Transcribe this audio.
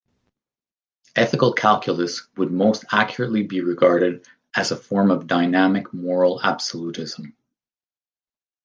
Ethical calculus would most accurately be regarded as a form of dynamic moral absolutism.